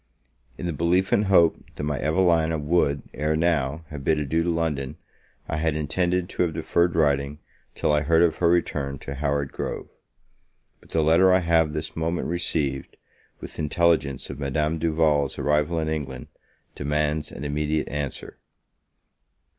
IN the belief and hope that my Evelina would, ere now, have bid adieu to London, I had intended to have deferred writing, till I heard of her return to Howard Grove; but the letter I have this moment received, with intelligence of Madame Duval's arrival in England, demands an immediate answer.